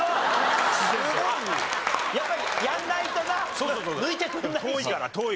やっぱりやらないとな抜いてくれないし。